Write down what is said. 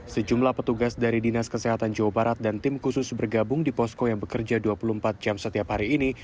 sejumlah petugas dari dinas kesehatan jawa barat dan tim khusus bergabung di posko yang bekerja dua puluh empat jam setiap hari ini